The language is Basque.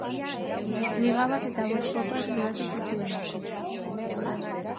Liga bat eta bost kopa eskuratu zituen.